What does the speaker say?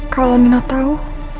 kalau nina tau